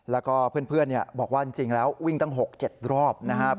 แล้วก็เพื่อนบอกว่าจริงแล้ววิ่งตั้ง๖๗รอบนะครับ